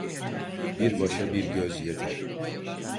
Bir başa bir göz yeter.